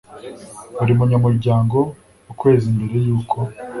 buri munyamuryango ukwezi mbere y uko